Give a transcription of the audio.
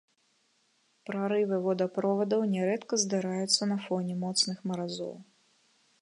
Прарывы водаправодаў нярэдка здараюцца на фоне моцных маразоў.